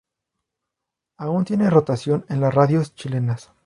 Aún tiene rotación en la radios chilenas.